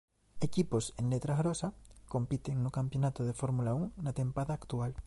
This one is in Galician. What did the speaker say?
Equipos en letra grosa compiten no campionato de Fórmula Un na tempada actual.